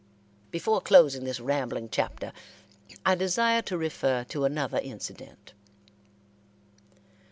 Before closing this rambling chapter I desire to refer to another incident.